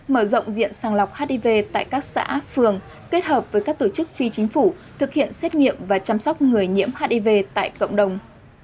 mở rộng diện sàng lọc hiv tại các xã phường kết hợp với các tổ chức phi chính phủ thực hiện xét nghiệm và chăm sóc người nhiễm hiv tại cộng đồng